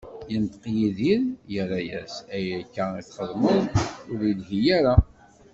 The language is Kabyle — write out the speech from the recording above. Inṭeq Yidir, irra-as: Ayen akka i txeddmeḍ, ur ilhi ara.